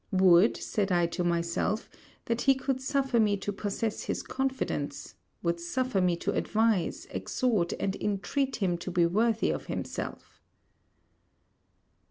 'Would,' said I to myself, 'that he could suffer me to possess his confidence, would suffer me to advise, exhort, and intreat him to be worthy of himself!'